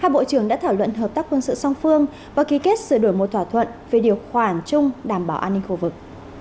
hai bộ trưởng đã thảo luận hợp tác quân sự song phương và ký kết sửa đổi một thỏa thuận về điều khoản chung đảm bảo an ninh khu vực